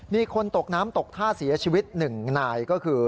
มีคนตกน้ำตกท่าเสียชีวิต๑นายก็คือ